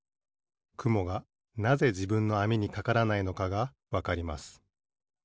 くもがなぜじぶんのあみにかからないのかがわかります。